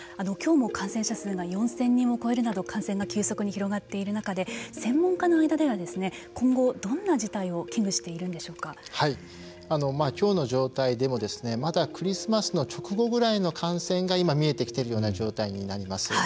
きょうも感染者数が４０００人を超えるなど感染が急速に広がっている中で専門家の中では今後どんな事態をきょうの状態でもまだクリスマスの直後ぐらいの感染が今、見えてきているような状態になります。